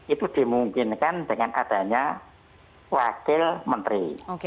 itu dimungkinkan dengan adanya wakil menteri